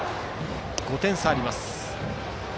５点差あります。